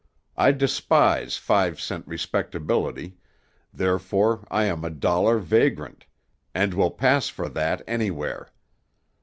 I despise five cent respectability, therefore I am a dollar vagrant, and will pass for that anywhere.